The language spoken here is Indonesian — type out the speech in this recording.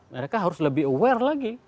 mereka harus lebih aware lagi